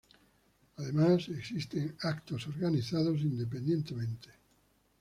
Además existen eventos organizados independientemente.